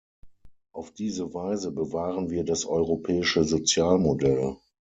Auf diese Weise bewahren wir das europäische Sozialmodell.